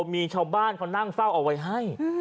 มีชาวบ้านเขานั่งเฝ้าเอาไว้ให้